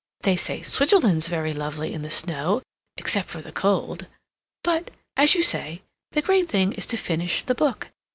They say Switzerland's very lovely in the snow, except for the cold. But, as you say, the great thing is to finish the book.